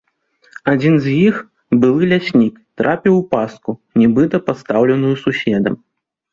Адзін з іх, былы ляснік, трапіў у пастку, нібыта пастаўленую суседам.